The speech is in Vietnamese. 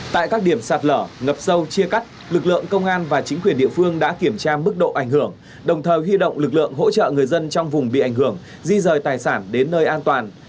tại các điểm sạt lở ngập sâu chia cắt lực lượng công an và chính quyền địa phương đã kiểm tra mức độ ảnh hưởng đồng thời huy động lực lượng hỗ trợ người dân trong vùng bị ảnh hưởng di rời tài sản đến nơi an toàn